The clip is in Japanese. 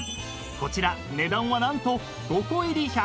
［こちら値段は何と５個入り１３１円］